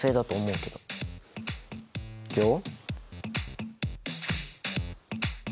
いくよ。